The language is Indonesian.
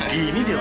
gini dia brah